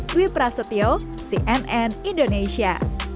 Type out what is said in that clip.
dwi prasetyo cnn indonesia